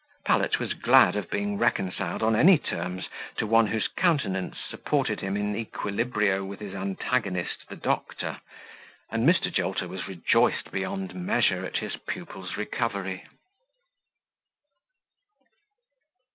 Pallet was glad of being reconciled on any terms to one whose countenance supported him in equilibrio with his antagonist the doctor; and Mr. Jolter was rejoiced beyond measure at his pupil's recovery.